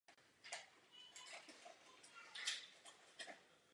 Původně se věnovala sportovní gymnastice.